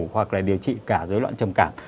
hoặc là điều trị cả dối loạn trầm cảm